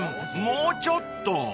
もうちょっと］